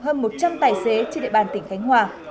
hơn một trăm linh tài xế trên địa bàn tỉnh khánh hòa